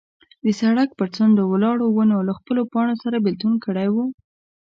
د سړک پر څنډو ولاړو ونو له خپلو پاڼو سره بېلتون کړی و.